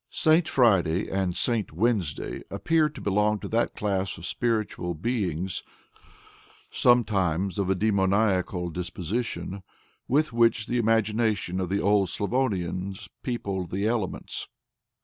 " St. Friday and St. Wednesday appear to belong to that class of spiritual beings, sometimes of a demoniacal disposition, with which the imagination of the old Slavonians peopled the elements.